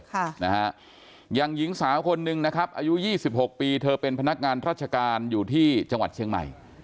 ค่ะนะฮะอย่างหญิงสาวคนหนึ่งนะครับอายุยี่สิบหกปีเธอเป็นพนักงานราชการอยู่ที่จังหวัดเชียงใหม่